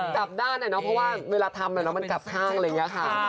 จับด้านไหนเนาะเพราะว่าเวลาทำไหนเดียวมันกลับห้างเลยเนี่ยค่ะ